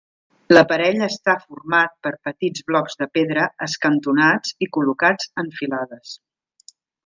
L'aparell està format per petits blocs de pedra escantonats i col·locats en filades.